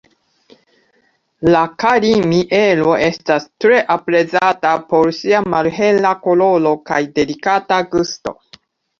La kari-mielo estas tre aprezata por sia malhela koloro kaj delikata gusto.